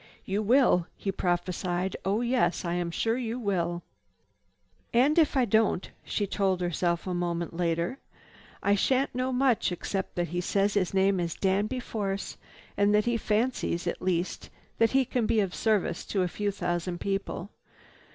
"You will," he prophesied, "Oh yes, I am sure you will." "And if I don't," she told herself a moment later, "I shan't know much except that he says his name is Danby Force and that he fancies, at least, that he can be of service to a few thousand people.